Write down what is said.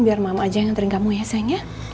biar mama aja yang nganterin kamu ya sayangnya